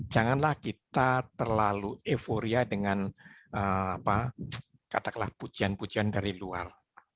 janganlah kita terlalu euforia dengan katakanlah pujian pujian dari luar